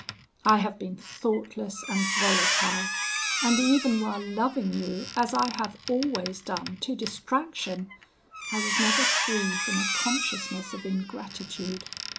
I have been thoughtless and volatile; and even while loving you as I have always done to distraction, I was never free from a consciousness of ingratitude.